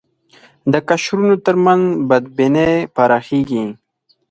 د قشرونو تر منځ بدبینۍ پراخېږي